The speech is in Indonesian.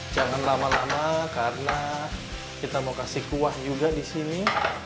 jangan lama lama karena kita mau kasih kuah juga di sini